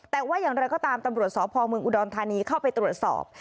แต่ว่าอย่างไรก็ตามตำรวจสพเมืองอุดรธานีเข้าไปตรวจสอบ